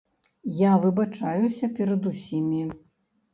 Я выбачаюся перад усімі.